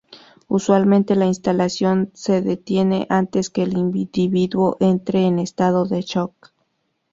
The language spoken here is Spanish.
Usualmente la instalación se detiene antes que el individuo entre en estado de "shock".